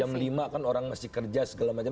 jam lima kan orang masih kerja segala macam